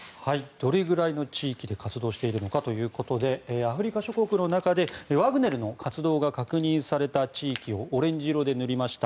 どれぐらいの地域で活動しているのかということでアフリカ諸国の中でワグネルの活動が確認された地域をオレンジ色で塗りました。